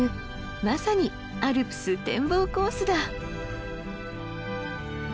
まさにアルプス展望コースだ！